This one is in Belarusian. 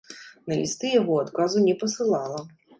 На лісты яго адказу не пасылала.